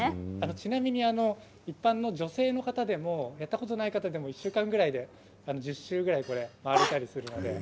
ちなみに一般の女性の方でもやったことない方でも１週間ぐらいで１０周ぐらい回れたりします。